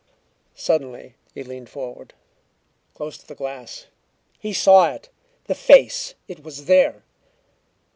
Suddenly he leaned forward, close to the glass. He saw it! The face! It was there!